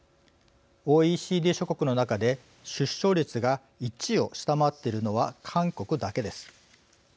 ＯＥＣＤ諸国の中で出生率が１を下回っているのは韓国だけです。